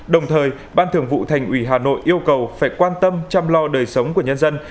đồng thời ban thường vụ thành ủy hà nội yêu cầu phải quan tâm chăm lo đời sống của nhân dân